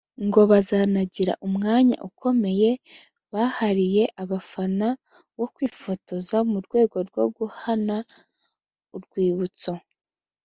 ngo bazanagira umwanya ukomeye bahariye abafana wo kwifotoza mu rwego rwo guhana urwibutso